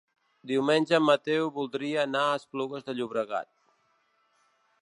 Diumenge en Mateu voldria anar a Esplugues de Llobregat.